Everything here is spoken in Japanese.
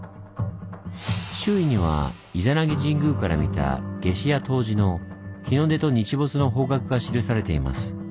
周囲には伊弉諾神宮から見た夏至や冬至の日の出と日没の方角が記されています。